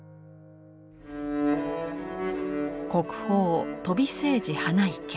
国宝飛青磁花生。